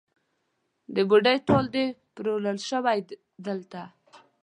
د بوډۍ ټال دی پلورل شوی دلته